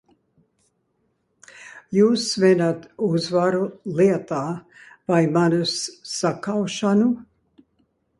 Jūs svinat uzvaru lietā vai manis sakaušanu?